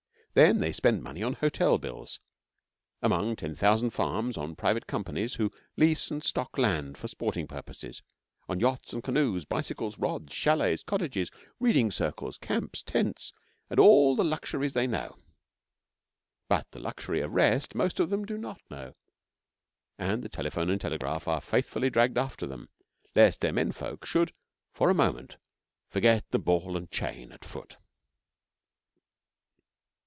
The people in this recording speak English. Then they spend money on hotel bills, among ten thousand farms, on private companies who lease and stock land for sporting purposes, on yachts and canoes, bicycles, rods, châlets, cottages, reading circles, camps, tents, and all the luxuries they know. But the luxury of rest most of them do not know; and the telephone and telegraph are faithfully dragged after them, lest their men folk should for a moment forget the ball and chain at foot.